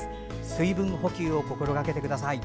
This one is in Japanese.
水分補給を心がけてください。